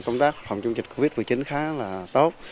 công tác phòng chống dịch covid một mươi chín khá là tốt